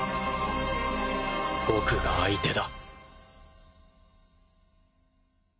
僕が相手だ。